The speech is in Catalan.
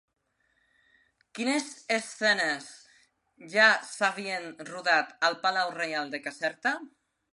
Quines escenes ja s'havien rodat al Palau Reial de Caserta?